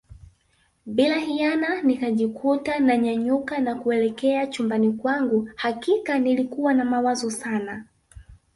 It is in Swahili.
Bila hiana nikajikuta na nyanyuka na kuelekea chumbani kwangu hakika nilikuwa na mawazo Sana